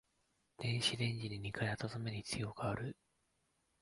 電子レンジで二回温める必要がある